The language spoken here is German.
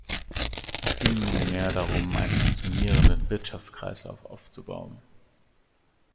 Es ging nun mehr darum einen funktionierenden Wirtschaftskreislauf aufzubauen.